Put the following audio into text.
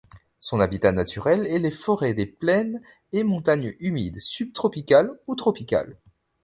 Son habitat naturel est les forêts des plaines et montagnes humides subtropicales ou tropicales.